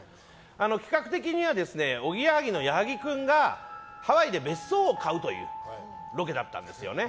企画的にはおぎやはぎの矢作君がハワイで別荘を買うというロケだったんですよね。